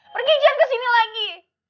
pergi jangan kesini lagi